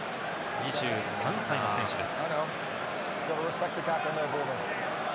２３歳の選手です。